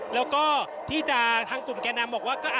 แล้วก็ที่จะทางกลุ่มแก่นำบอกว่า